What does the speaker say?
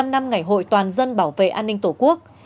bảy mươi năm năm ngày hội toàn dân bảo vệ an ninh tổ quốc